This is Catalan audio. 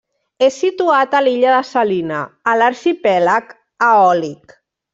És situat a l'illa de Salina, a l'arxipèlag Eòlic.